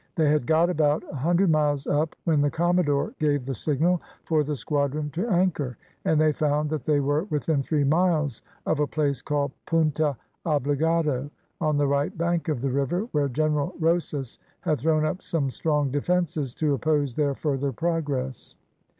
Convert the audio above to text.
They had got about a hundred miles up when the commodore gave the signal for the squadron to anchor, and they found that they were within three miles of a place called Punta Obligado, on the right bank of the river, where General Rosas had thrown up some strong defences to oppose their further progress.